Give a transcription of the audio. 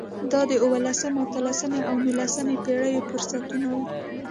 دا د اولسمې، اتلسمې او نولسمې پېړیو فرصتونه وو.